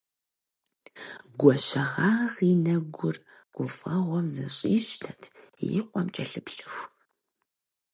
Гуащэгъагъ и нэгур гуфӀэгъуэм зэщӀищтэт и къуэм кӀэлъыплъыху.